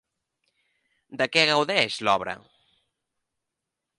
De què gaudeix l'obra?